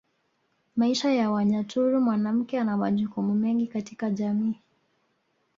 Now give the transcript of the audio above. Maisha kwa Wanyaturu mwanamke ana majukumu mengi katika jamii